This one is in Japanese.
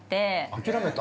◆諦めた。